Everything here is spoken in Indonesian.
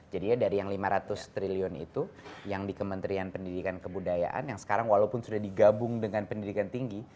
jadinya dari yang lima ratus triliun itu yang di kementerian pendidikan kebudayaan yang sekarang walaupun sudah digabung dengan pendidikan tinggi